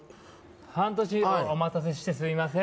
半年お待たせしてすいません